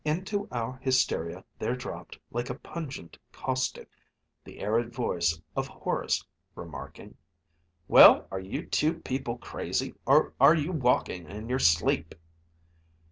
Into our hysteria there dropped, like a pungent caustic, the arid voice of Horace, remarking, "Well, are you two people crazy, or are you walking in your sleep?"